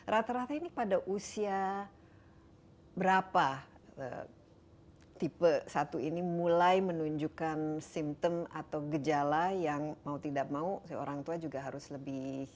rata rata ini pada usia berapa tipe satu ini mulai menunjukkan simptom atau gejala yang mau tidak mau orang tua juga harus lebih